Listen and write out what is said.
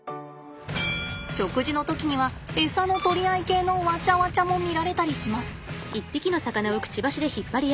食事の時には餌の取り合い系のワチャワチャも見られたりします。